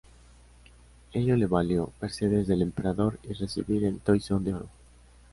Ello le valió mercedes del Emperador y recibir el Toisón de Oro.